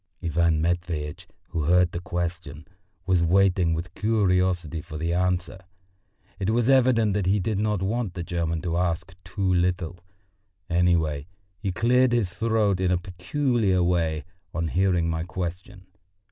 Ivan Matveitch, who heard the question, was waiting with curiosity for the answer; it was evident that he did not want the German to ask too little; anyway, he cleared his throat in a peculiar way on hearing my question.